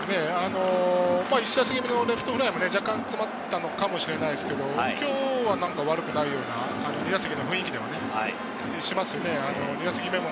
１打席目のレフトフライも若干詰まったのかもしれないですけど、今日は悪くないような打席の雰囲気はね、しますよね。